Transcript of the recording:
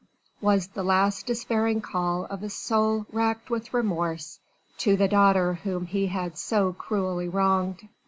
_" was the last despairing call of a soul racked with remorse to the daughter whom he had so cruelly wronged.